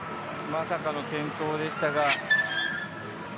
まさかの転倒でしたが。